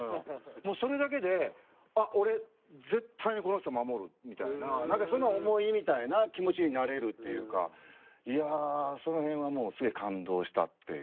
もうそれだけであ俺絶対にこの人守るみたいな何かそういう思いみたいな気持ちになれるっていうかいやその辺はもうすげえ感動したっていう。